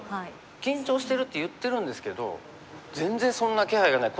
緊張してるって言ってるんですけど全然そんな気配がない。